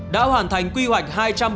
đã hoàn thành quy hoạch hai trăm bốn mươi một